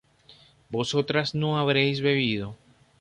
vosotras no habréis bebido